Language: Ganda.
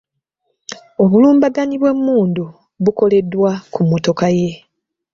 Obulumbaganyi bw’emmundu bukoleddwa ku mmotoka ye .